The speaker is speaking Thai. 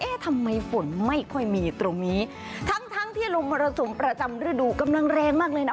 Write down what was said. ทำไมฝนไม่ค่อยมีตรงนี้ทั้งทั้งที่ลมมรสุมประจำฤดูกำลังแรงมากเลยนะ